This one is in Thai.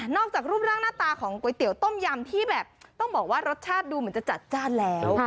จากรูปร่างหน้าตาของก๋วยเตี๋ยวต้มยำที่แบบต้องบอกว่ารสชาติดูเหมือนจะจัดจ้านแล้ว